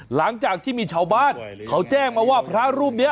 หลังจากที่มีชาวบ้านเขาแจ้งมาว่าพระรูปนี้